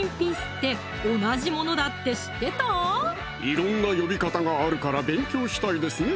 色んな呼び方があるから勉強したいですね